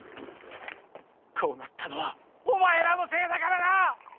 こうなったのはお前らのせいだからな！